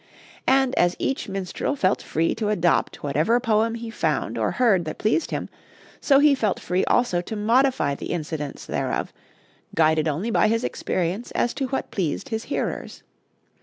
And as each minstrel felt free to adopt whatever poem he found or heard that pleased him, so he felt free also to modify the incidents thereof, guided only by his experience as to what pleased his hearers.